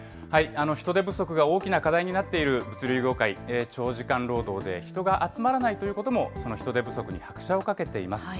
人手不足が大きな課題になっている物流業界、長時間労働で人が集まらないということも、その人手不足に拍車をかけています。